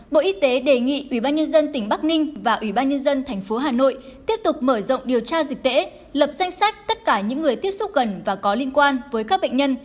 bộ y tế đề nghị ubnd tỉnh bắc ninh và ủy ban nhân dân tp hà nội tiếp tục mở rộng điều tra dịch tễ lập danh sách tất cả những người tiếp xúc gần và có liên quan với các bệnh nhân